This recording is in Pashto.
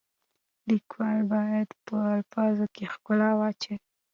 لیکوال باید په الفاظو کې ښکلا واچوي.